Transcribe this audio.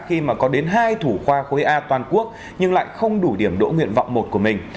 khi mà có đến hai thủ khoa khối a toàn quốc nhưng lại không đủ điểm đỗ nguyện vọng một của mình